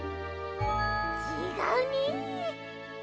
ちがうね。